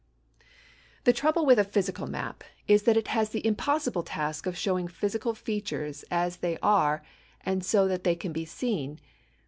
The trouble with a physical map is that it has the impossible task of showing physical features as they are and so that they can be seen.